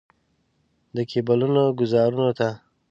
د کیبلونو ګوزارونو ته.